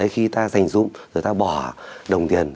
khi ta dành dụng rồi ta bỏ đồng tiền